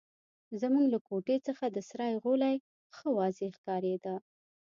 زموږ له کوټې څخه د سرای غولی ښه واضح ښکارېده.